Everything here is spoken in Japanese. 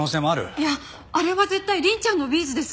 いやあれは絶対凛ちゃんのビーズです！